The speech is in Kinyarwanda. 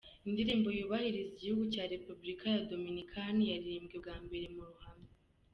Indirimbo yubahiriza Igihugu cya Repubulika ya Dominikani yaririmbwe bwa mbere mu ruhame.